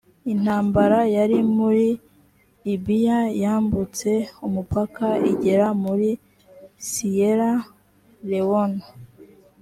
intambara yari muri liberiya yambutse umupaka igera muri siyera lewone